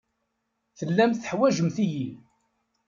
Tellamt teḥwajemt-iyi.